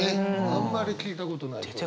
あんまり聞いたことない表現。